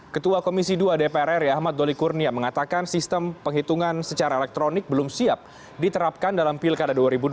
ketua komisi dua dpr ri ahmad doli kurnia mengatakan sistem penghitungan secara elektronik belum siap diterapkan dalam pilkada dua ribu dua puluh